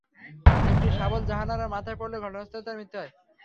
একটি শাবল জাহানারার মাথায় পড়লে ঘটনাস্থলেই তাঁর মৃত্যু হয়।